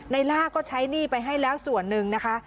ล่าก็ใช้หนี้ไปให้แล้วส่วนหนึ่งนะคะ